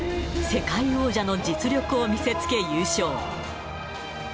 世界王者の実力を見せつけ、優勝。